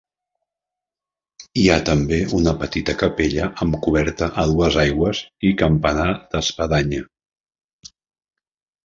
Hi ha també una petita capella amb coberta a dues aigües i campanar d'espadanya.